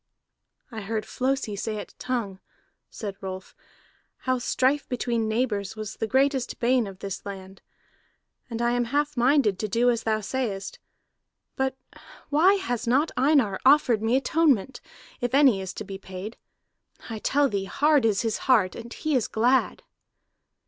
"I heard Flosi say at Tongue," said Rolf, "how strife between neighbors was the greatest bane of this land. And I am half minded to do as thou sayest. But why has not Einar offered me atonement, if any is to be paid? I tell thee, hard is his heart, and he is glad!"